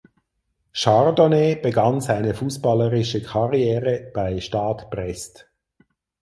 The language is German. Chardonnet begann seine fußballerische Karriere bei Stade Brest.